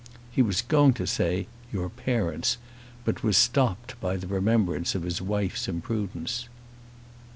He was going to say, "your parents," but was stopped by the remembrance of his wife's imprudence.